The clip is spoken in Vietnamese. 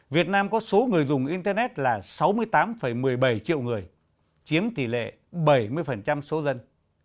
việt nam có số người dùng internet là sáu mươi tám một mươi bảy triệu người chiếm tỷ lệ bảy mươi số dân